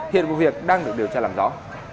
hiện của việc đang được điều tra làm rõ